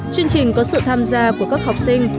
chương trình có sự tham gia của các học sinh